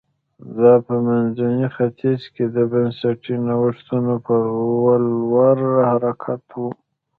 دا په منځني ختیځ کې د بنسټي نوښتونو په لور حرکت و